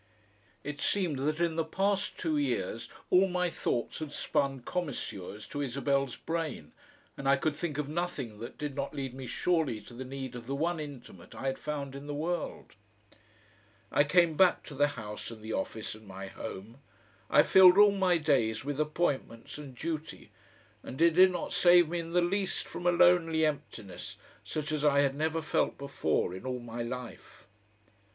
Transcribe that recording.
It seemed that in the past two years all my thoughts had spun commisures to Isabel's brain and I could think of nothing that did not lead me surely to the need of the one intimate I had found in the world. I came back to the House and the office and my home, I filled all my days with appointments and duty, and it did not save me in the least from a lonely emptiness such as I had never felt before in all my life.